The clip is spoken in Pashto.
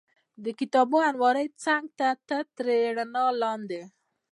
د کتابونو المارۍ څنګ ته تر تتې رڼا لاندې.